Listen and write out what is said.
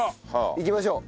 行きましょう。